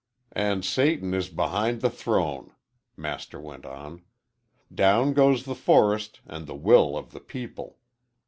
"And Satan is behind the throne," Master went on. "Down goes the forest and the will of the people.